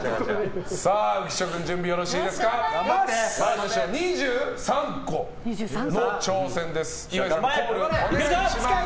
浮所君、２３個の挑戦です。